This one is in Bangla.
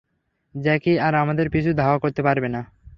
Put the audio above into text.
জ্যাকি আর আমাদের পিছু ধাওয়া করতে পারবে না!